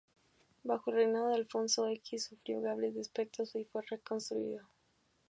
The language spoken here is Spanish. Bajo el reinado de Alfonso X sufrió graves desperfectos y fue reconstruido.